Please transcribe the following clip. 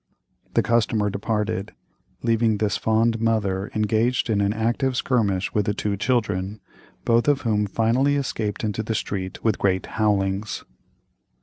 The customer departed, leaving this fond mother engaged in an active skirmish with the two children, both of whom finally escaped into the street with great howlings.